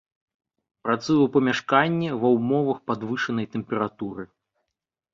Працуе ў памяшканні, ва ўмовах падвышанай тэмпературы.